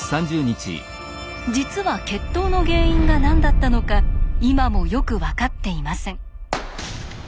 実は決闘の原因が何だったのか今もよく分かっていません。